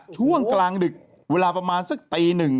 ช่วงกลางดึกเวลาประมาณสักตีหนึ่ง